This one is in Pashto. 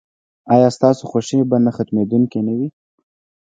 ایا ستاسو خوښي به نه ختمیدونکې نه وي؟